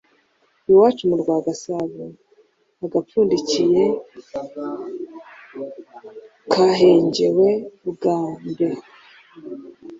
Iwacu mu rwa Gasabo agapfundikiye kahengewe bwa mb